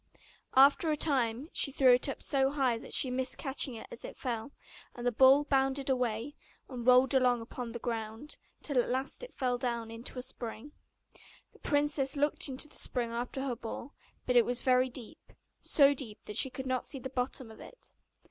After a time she threw it up so high that she missed catching it as it fell; and the ball bounded away, and rolled along upon the ground, till at last it fell down into the spring. The princess looked into the spring after her ball, but it was very deep, so deep that she could not see the bottom of it.